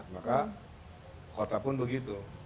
maka kota pun begitu